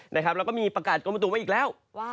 แล้วก็มีประกาศกลมตุมาอีกแล้ว